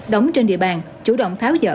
đóng trên địa bàn chủ động tháo dỡ